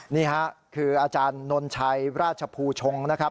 นี่ค่ะคืออาจารย์นนชัยราชภูชงนะครับ